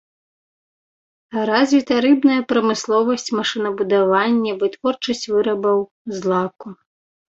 Развіта рыбная прамысловасць, машынабудаванне, вытворчасць вырабаў з лаку.